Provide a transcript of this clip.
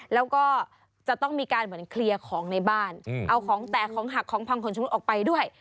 แล้วก็จะต้องมีการเหมือนเคลียร์ของในบ้านเอาของแตกของหักของพังขนชำรุดออกไปด้วย